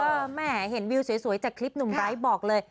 แม่เห็นวิวสวยจากคลิปหนุ่มไร้บอกเลย